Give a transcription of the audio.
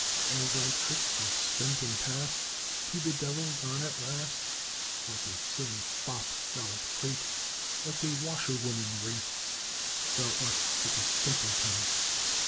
All thy tricks are spent and past, To the devil gone at last Like a silly fop thou'lt prate, Like a washerwoman rate. Thou art but a simpleton.